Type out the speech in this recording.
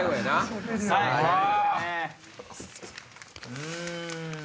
うん！